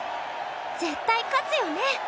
絶対勝つよね！